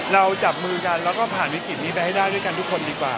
เราจับมือกันแล้วก็ผ่านวิกฤตนี้ไปให้ได้ด้วยกันทุกคนดีกว่า